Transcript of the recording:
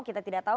kita tidak tahu